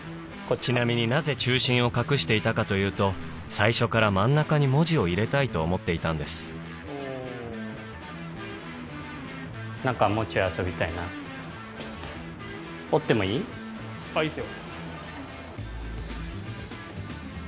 ちなみになぜ中心を隠していたかというと最初から真ん中に文字を入れたいと思っていたんですいいですよ。